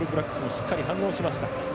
しっかり反応しました。